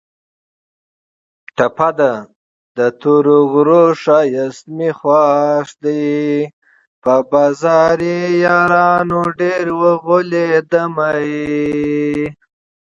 ټپه ده: د تورو غرو ښایست مې خوښ دی په بازاري یارانو ډېر اوغولېدمه